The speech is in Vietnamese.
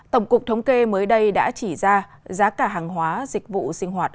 tổng cục thống kê mới đây đã chỉ ra giá cả hàng hóa dịch vụ sinh hoạt